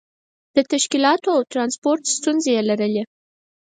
د تشکیلاتو او ترانسپورت ستونزې یې لرلې.